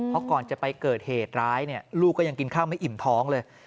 เพราะก่อนจะไปเกิดเหตุร้ายเนี่ยลูกก็ยังกินข้าวไม่อิ่มท้องเลย